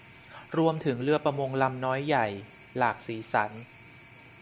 รวมถึงเรือประมงลำน้อยใหญ่หลากสีสัน